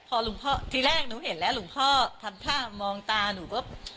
พอหลวงพ่อทีแรกหนูเห็นแล้วหลวงพ่อทำท่ามองตาหนูก็